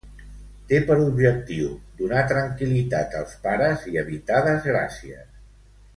Té per objectiu donar tranquil·litat als pares i evitar desgràcies.